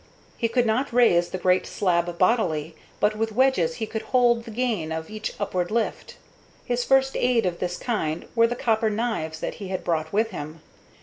He could not raise the great slab bodily, but with wedges he could hold the gain of each upward lift. His first aids of this kind were the copper knives that he had brought with him.